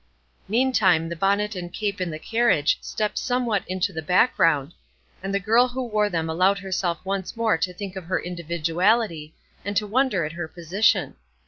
Meantime the bonnet and cape in the carriage stepped somewhat into the background, and the girl who wore them allowed herself once more to think of her individuality, and to wonder at her position.